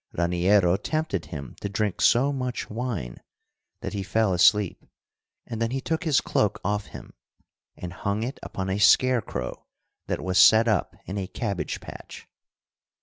Raniero tempted him to drink so much wine that he fell asleep, and then he took his cloak off him and hung it upon a scarecrow that was set up in a cabbage patch.